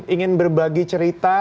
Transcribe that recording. ingin berbagi cerita